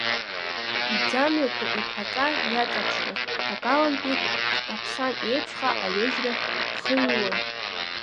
Иӡамҩақәа иԥаҵа иаҵаԥшуаз, ҭагалантәи бӷькаԥсан еиԥшха аҩежьра рхыҩҩуан.